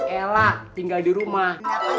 ella tinggal di rumah